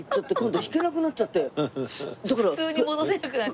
普通に戻せなくなっちゃった。